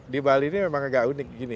di bali ini memang agak unik gini